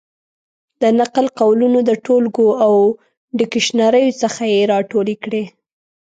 د نقل قولونو د ټولګو او ډکشنریو څخه یې را ټولې کړې.